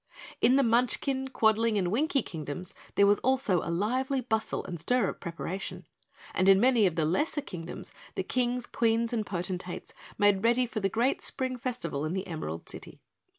In the Munchkin, Quadling, and Winkie Kingdoms there was also a lively bustle and stir of preparation, and in many of the lesser Kingdoms the Kings, Queens, and Potentates made ready for the great spring festival in the Emerald City.